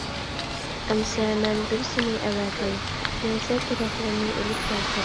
— ئەمىسە مەن بىرسىنى ئەۋەتەي، نەرسە-كېرەكلىرىنى ئېلىپ كەلسۇن.